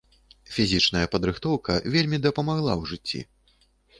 Фізічная падрыхтоўка вельмі дапамагла ў жыцці.